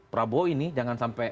prabowo ini jangan sampai